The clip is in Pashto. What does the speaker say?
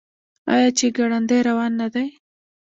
آیا چې ګړندی روان نه دی؟